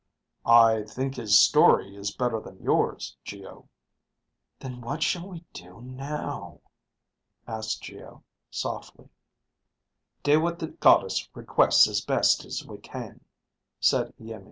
"I think his story is better than yours, Geo." "Then what shall we do now?" asked Geo, softly. "Do what the Goddess requests as best we can," said Iimmi.